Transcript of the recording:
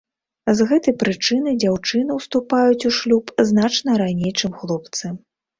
З гэтай прычыны дзяўчыны ўступаюць у шлюб значна раней, чым хлопцы.